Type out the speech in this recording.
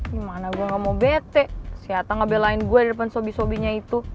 gimana gue gak mau bete si ata gak belain gue di depan sobi sobinya itu